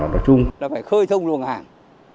phải khơi thông luận hàng